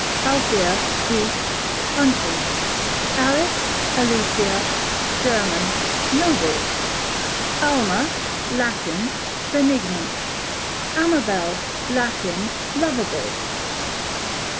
Althea, Greek, hunting. Alice / Alicia, German_, noble. Alma, Latin, benignant. Amabel, Latin, loveable.